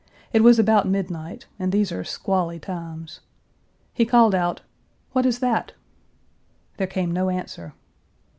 It was about midnight, and these are squally times. He called out, "What is that?" There came no answer.